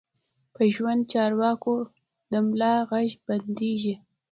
په ژوندو چارواکو د ملا غږ بندېږي.